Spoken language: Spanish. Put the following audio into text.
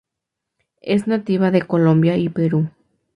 Es nativa de Colombia y Perú.